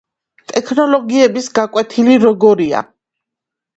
ტექნოლოგიების გაკვეთილი როგორია